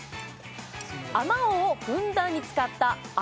あまおうをふんだんに使ったあ